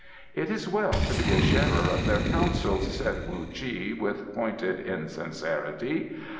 "It is well to be a sharer of their councils," said Wu Chi, with pointed insincerity.